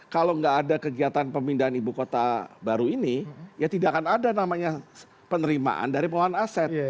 kalau nggak ada kegiatan pemindahan ibu kota baru ini ya tidak akan ada namanya penerimaan dari pengelolaan aset